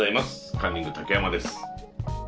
カンニング竹山です。